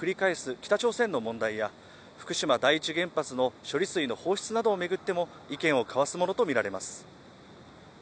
北朝鮮の問題や、福島第一原発の処理水の放出などを巡っても意見を交わすものとみられます。